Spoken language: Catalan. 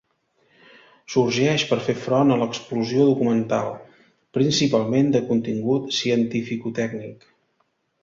Sorgeix per fer front a l'explosió documental, principalment de contingut cientificotècnic.